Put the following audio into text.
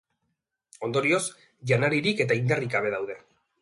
Ondorioz, janaririk eta indarrik gabe daude.